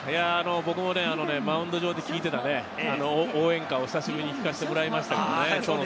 僕もマウンド上で聞いていた応援歌を久しぶりに聞かせてもらいました。